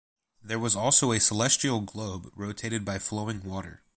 There was also a celestial globe rotated by flowing water.